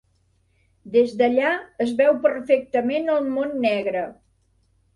Des d'allà es veu perfectament el Montnegre.